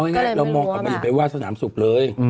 อ๋อไงเรามองจะไปวาดสนามศุกร์เลย